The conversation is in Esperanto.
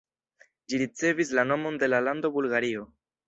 Ĝi ricevis la nomon de la lando Bulgario.